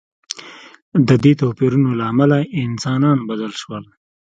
د دې توپیرونو له امله انسانان بدل شول.